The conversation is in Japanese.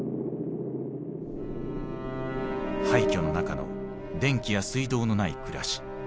廃虚の中の電気や水道のない暮らし。